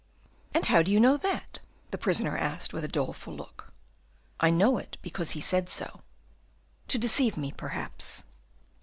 "And how do you know that?" the prisoner asked, with a doleful look. "I know it because he has said so." "To deceive me, perhaps."